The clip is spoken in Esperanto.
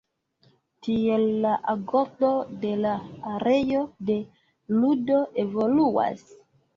Tiel la agordo de la areo de ludo evoluas.